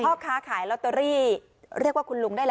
พ่อค้าขายลอตเตอรี่เรียกว่าคุณลุงได้แล้ว